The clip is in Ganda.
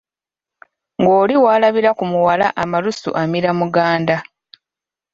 Ng'oli walabira ku muwala amalusu amira muganda.